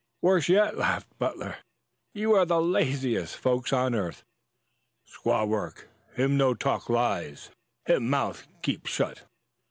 "Worse yet," laughed Butler. "You are the laziest folks on earth." "Squaw work, him no talk lies. Him mouth keep shut."